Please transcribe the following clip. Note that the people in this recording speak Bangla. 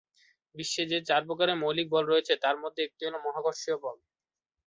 বিশ্বে যে চার প্রকারের মৌলিক বল রয়েছে তার মধ্যে একটি হল মহাকর্ষীয় বল।।